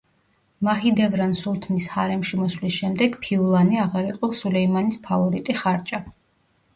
მაჰიდევრან სულთნის ჰარემში მოსვლის შემდეგ, ფიულანე აღარ იყო სულეიმანის ფავორიტი ხარჭა.